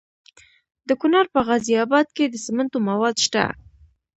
د کونړ په غازي اباد کې د سمنټو مواد شته.